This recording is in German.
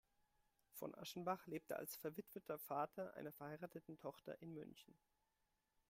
Von Aschenbach lebte als verwitweter Vater einer verheirateten Tochter in München.